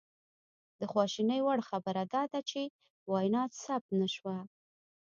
د خواشینۍ وړ خبره دا ده چې وینا ثبت نه شوه